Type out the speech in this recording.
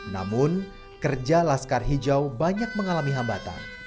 namun kerja laskar hijau banyak mengalami hambatan